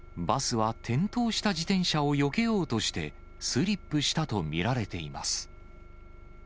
バスは転倒した自転車をよけようとして、スリップしたと見られています。